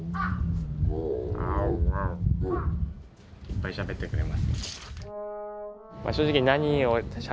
いっぱいしゃべってくれますね。